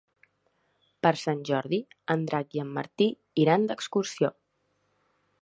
Per Sant Jordi en Drac i en Martí iran d'excursió.